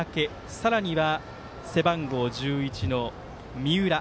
さらには、背番号１１の三浦。